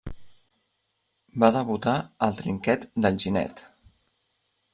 Va debutar al trinquet d'Alginet.